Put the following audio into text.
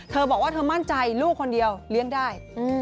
เธอบอกว่าเธอมั่นใจลูกคนเดียวเลี้ยงได้